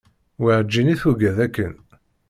Werǧin i tugad akken.